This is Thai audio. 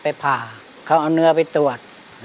ไปผ่าเขาเอาเนื้อไปตรวจ